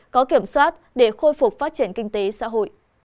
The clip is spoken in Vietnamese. có kiểm soát để khôi phục phát triển kinh tế xã hội